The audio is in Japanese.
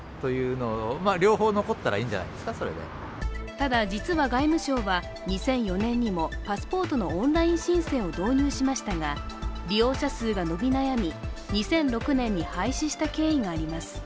ただ、実は外務省は２００４年にもパスポートのオンライン申請を導入しましたが利用者数が伸び悩み、２００６年に廃止した経緯があります。